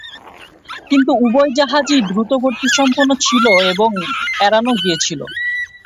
কিন্তু, উভয় জাহাজই দ্রুতগতিসম্পন্ন ছিল এবং এড়ানো গিয়েছিল।